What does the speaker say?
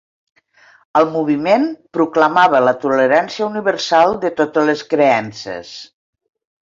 El moviment proclamava la tolerància universal de totes les creences.